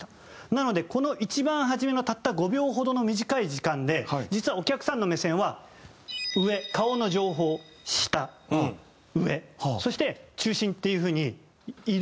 なのでこの一番初めのたった５秒ほどの短い時間で実はお客さんの目線は上顔の上方下上そして中心っていう風に移動させられてるんです。